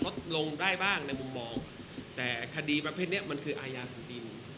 อาจจะลดลงได้บ้างในมุมมองแต่คาดีแบบนี้มันคืออายะของดิน